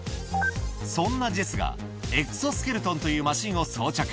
そんなジェスが、エクソスケルトンというマシンを装着。